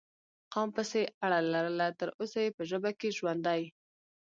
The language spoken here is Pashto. قوم پسې یې اړه لرله، تر اوسه یې په ژبه کې ژوندی